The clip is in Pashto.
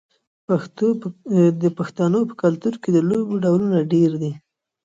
د پښتنو په کلتور کې د لوبو ډولونه ډیر دي.